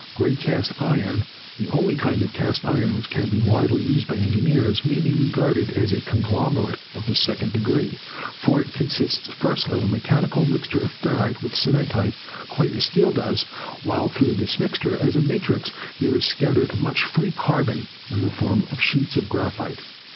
Gray cast iron, the only kind of cast iron which can be widely used by engineers, may be regarded as a con glomerate of the second degree, for it consists first of a mechanical mixture of ferrite with cementite quite as steel does, wliile through this mixture as a matrix there is scat tered much free carbon in the form of sheets of graphite.